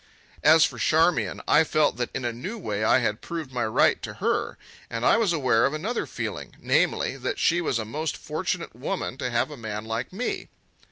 As for Charmian, I felt that in a new way I had proved my right to her; and I was aware of another feeling, namely, that she was a most fortunate woman to have a man like me.